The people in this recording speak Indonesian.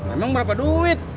emang berapa duit